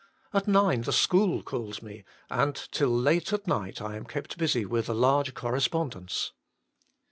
At nine the school calls me, and till late at night I am kept busy with a large correspondence."